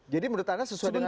jadi menurut anda sesuai dengan